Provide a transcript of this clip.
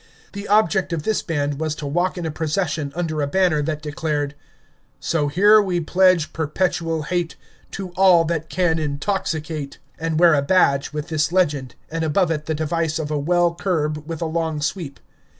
The object of this Band was to walk in a procession under a banner that declared, "So here we pledge perpetual hate To all that can intoxicate;" and wear a badge with this legend, and above it the device of a well curb with a long sweep.